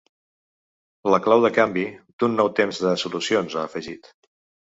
La clau de canvi, d’un nou temps de solucions, ha afegit.